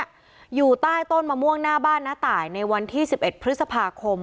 อยู่ใต้ต้นมะม่วงหน้าบ้านน้าตายในวันที่๑๑พฤษภาคม